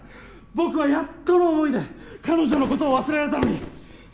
僕はやっとの思いで彼女のことを忘れられたのに。